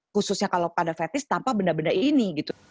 khususnya kalau pada fetish tanpa benda benda ini